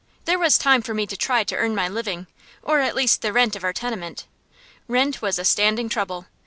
There was time for me to try to earn my living; or at least the rent of our tenement. Rent was a standing trouble.